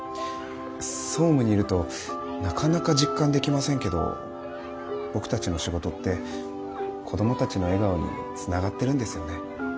総務にいるとなかなか実感できませんけど僕たちの仕事って子どもたちの笑顔につながってるんですよね。